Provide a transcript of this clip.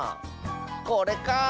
これか！